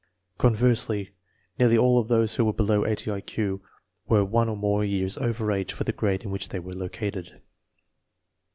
Conversely, nearly all of those who were below 80 I Q were one or more years over age for the grade in which they were located.